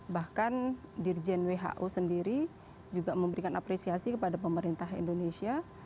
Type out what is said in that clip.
bahkan dirjen who sendiri juga memberikan apresiasi kepada pemerintah indonesia